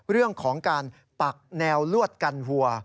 เรื่องของการปักแนวลวดกันวัว